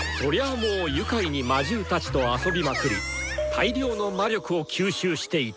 もう愉快に魔獣たちと遊びまくり大量の魔力を吸収していた。